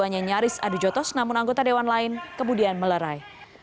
keduanya nyaris adu jotos namun anggota dewan lain kemudian melerai